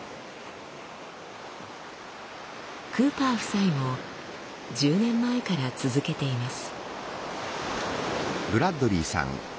クーパー夫妻も１０年前から続けています。